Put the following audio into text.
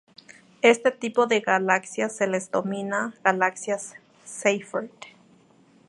A este tipo de galaxias se les denomina galaxias Seyfert.